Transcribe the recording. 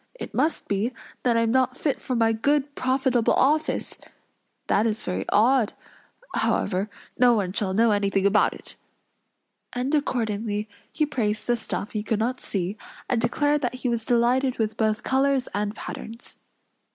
"It must be, that I am not fit for my good, profitable office! That is very odd; however, no one shall know anything about it." And accordingly he praised the stuff he could not see, and declared that he was delighted with both colors and patterns.